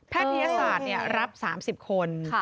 ทยศาสตร์รับ๓๐คน